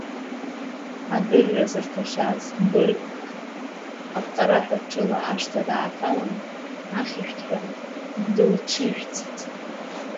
Адырра зырҭахьаз быргк апҟараҳәа ҽыла ашҭа дааҭалан, ахьышәҭҳәа дылҽыжәҵит.